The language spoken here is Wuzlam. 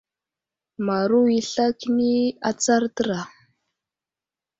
Maru i sla kəni atsar təra.